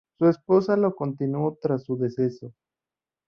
Su esposa lo continuó tras su deceso.